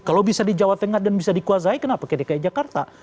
kalau bisa di jawa tengah dan bisa dikuasai kenapa ke dki jakarta